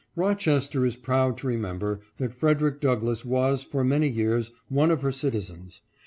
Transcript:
"Rochester is proud to remember that Frederick Douglass was, for many years, one of her citizens.